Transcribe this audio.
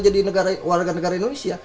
jadi warga negara indonesia